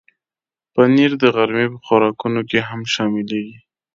پنېر د غرمې په خوراکونو کې هم شاملېږي.